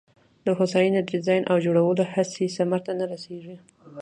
د هوساینه د ډیزاین او جوړولو هڅې ثمر ته نه رسېږي.